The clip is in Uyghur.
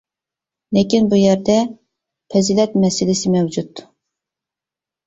لېكىن بۇ يەردە پەزىلەت مەسىلىسى مەۋجۇت.